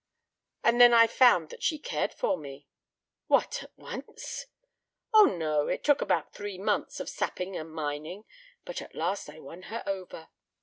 And then I found that she cared for me." "What—at once?" "Oh, no, it took about three months of sapping and mining. But at last I won her over.